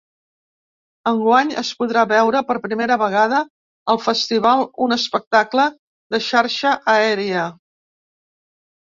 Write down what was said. Enguany es podrà veure per primera vegada al festival un espectacle de xarxa aèria.